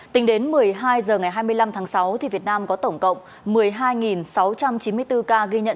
tính đến một mươi hai h ngày hai mươi năm tháng sáu việt nam có tổng cộng một mươi hai sáu trăm chín mươi bốn ca ghi nhận